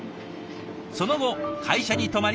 その後会社に泊まり